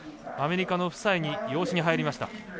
アメリカの夫妻に養子に入りました。